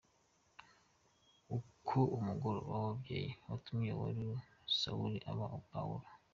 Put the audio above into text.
Uko umugoroba w’ababyeyi watumye uwari Sawuli aba Pawulo.